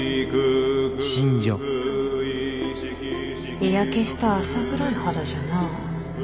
日焼けした浅黒い肌じゃな。